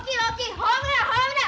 ホームランホームラン！